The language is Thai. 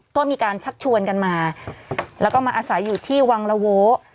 ก็มีการชักชวนกันมาแล้วก็มาอาศัยอยู่ที่วังละโว